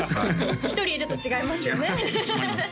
１人いると違いますよね違います